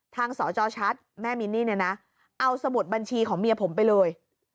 สจชัดแม่มินนี่เนี่ยนะเอาสมุดบัญชีของเมียผมไปเลย